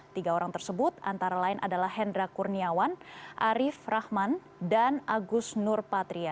tiga orang tersebut antara lain adalah hendra kurniawan arief rahman dan agus nur patria